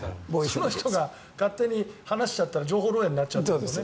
その人が勝手に話しちゃったら情報漏えいになっちゃうということだよね。